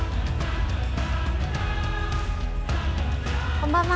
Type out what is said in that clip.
こんばんは。